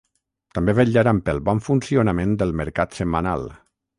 També vetllaran pel bon funcionament del mercat setmanal.